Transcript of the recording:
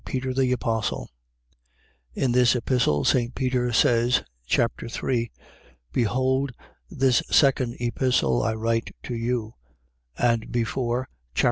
PETER THE APOSTLE In this Epistle St. Peter says (chap. 3.), Behold this second Epistle I write to you: and before (chap.